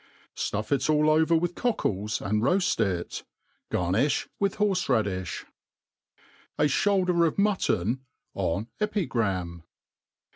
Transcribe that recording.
STUFF It all over with cockles^ and roaft it. Garniih wlttt horfe radiib, A ShouMtr of Mutton en Epigram.'